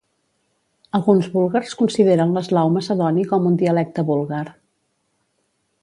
Alguns búlgars consideren l'eslau macedoni com un dialecte búlgar.